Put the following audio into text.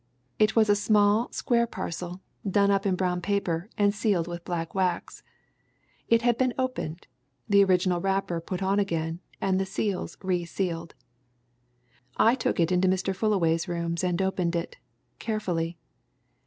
It was a small, square parcel, done up in brown paper and sealed with black wax; it had been opened, the original wrapper put on again, and the seals resealed. I took it into Mr. Fullaway's rooms and opened it, carefully.